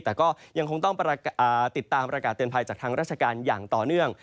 แต่ก็ยังคงต้องติดตามประกาศเตือนภัยจากทางราชการอย่างต่อเนื่อง